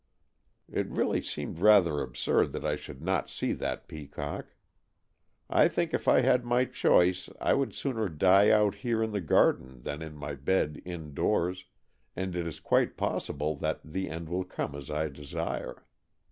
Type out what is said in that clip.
It really seemed rather absurd that I should not see that peacock. I think if I had my choice I would sooner die out here in the garden than in my bed indoors, and it is quite probable that the end wall come as I desire.